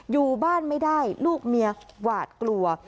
อยู่บ้านไม่ได้ลูกเมียหวาดกลัว